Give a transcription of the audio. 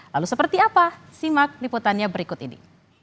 lalu seperti apa simak liputannya berikut ini